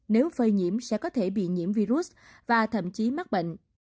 nếu phơi nhiễm sẽ có thể bị nhiễm virus và thậm chí mắc bệnh